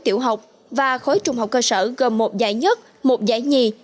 tiểu học và khối trung học cơ sở gồm một giải nhất một giải nhì